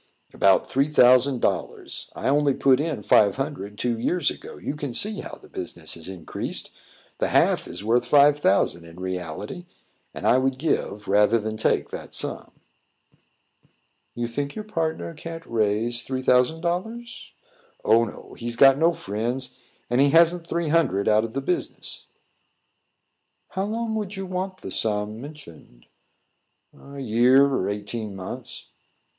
"About three thousand dollars. I only put in five hundred, two years ago. You can see how the business has increased. The half is worth five thousand in reality, and I would give, rather than take that sum." "You think your partner can't raise three thousand dollars?" "Oh, no; he's got no friends, and he hasn't three hundred out of the business." "How long would you want the sum mentioned?" "A year or eighteen months."